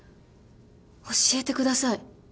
教えてください。